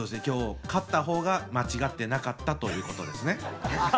今日勝った方が間違ってなかったということですね。